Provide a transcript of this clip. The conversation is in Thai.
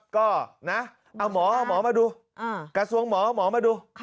ก็นะเอาหมอเอาหมอมาดูกระทรวงหมอหมอมาดู